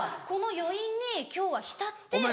この余韻に今日は浸って。